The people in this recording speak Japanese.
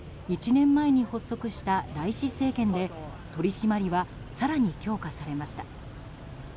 １年前に発足したライシ政権で取り締まりは更に強化されました。